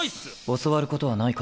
教わることはないかと。